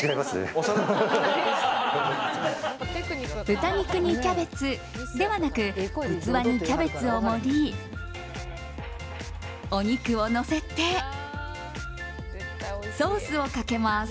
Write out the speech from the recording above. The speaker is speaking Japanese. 豚肉にキャベツではなく器にキャベツを盛りお肉をのせてソースをかけます。